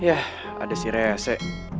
yah ada sih rese